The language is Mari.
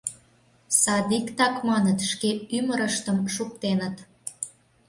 Садиктак, маныт, шке ӱмырыштым шуктеныт.